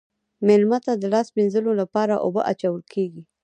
میلمه ته د لاس مینځلو لپاره اوبه اچول کیږي.